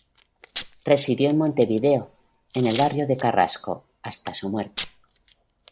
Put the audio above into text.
Residió en Montevideo, en el barrio de Carrasco, hasta su muerte.